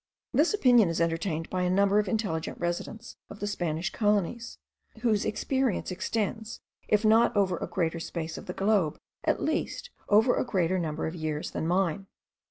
This opinion is entertained by a number of intelligent residents of the Spanish colonies, whose experience extends, if not over a greater space of the globe, at least over a greater number of years, than mine.